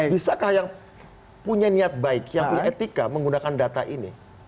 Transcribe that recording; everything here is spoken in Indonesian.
bisakah yang punya niat baik yang punya etika menggunakan data ini